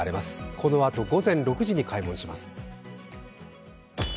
このあと午前６時に開門します。